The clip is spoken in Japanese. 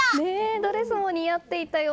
ドレスも似合っていたよ！